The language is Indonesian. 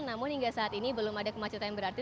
namun hingga saat ini belum ada kemacetan yang berarti